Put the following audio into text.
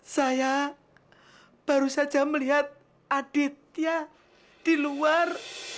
saya baru saja melihat aditya di luar